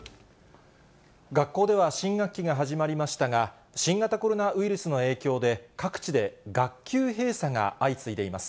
学校では新学期が始まりましたが、新型コロナウイルスの影響で、各地で学級閉鎖が相次いでいます。